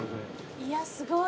いやすごい。